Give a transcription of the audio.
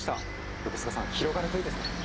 横須賀さん広がるといいですね。